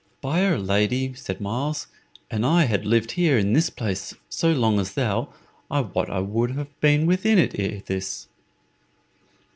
"By'r Lady," said Myles, "an I had lived here in this place so long as thou, I wot I would have been within it ere this."